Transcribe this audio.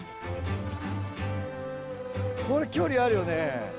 これ距離あるよね。